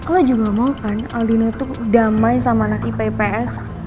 kalau juga mau kan aldino tuh damai sama anak ipps